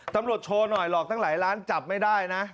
ตำรวจโชว์หน่อยหลอกตั้งหลายล้านจับไม่ได้นะ